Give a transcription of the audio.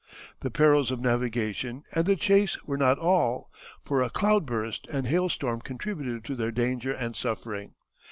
The perils of navigation and the chase were not all, for a cloud burst and hail storm contributed to their danger and suffering.